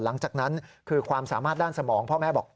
หลังจากนั้นคือความสามารถด้านสมองพ่อแม่บอก